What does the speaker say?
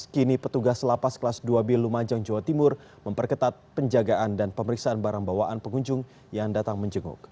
kini petugas lapas kelas dua b lumajang jawa timur memperketat penjagaan dan pemeriksaan barang bawaan pengunjung yang datang menjenguk